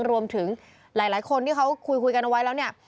รวมถึงหลายคนที่เขาคุยกันเอาไว้แล้วเนี่ย